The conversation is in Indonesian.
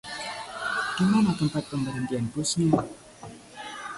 Di mana tempat pemberhentian busnya?